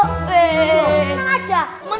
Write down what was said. eh kenapa aja